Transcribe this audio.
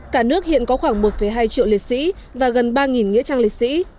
cả nước hiện có khoảng một hai triệu liệt sĩ và gần ba nghĩa trang liệt sĩ